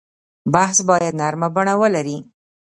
بحث باید نرمه بڼه ولري.